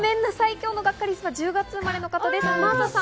今日のガッカりす１０月生まれの方です、真麻さん。